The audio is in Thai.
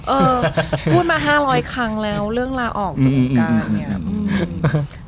เออพูดมา๕๐๐ครั้งแล้วเรื่องลาออกจากวงการเนี่ย